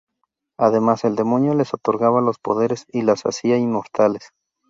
Además, el demonio les otorgaba los poderes y las hacía inmortales.